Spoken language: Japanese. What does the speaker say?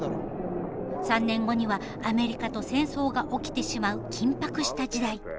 ３年後にはアメリカと戦争が起きてしまう緊迫した時代。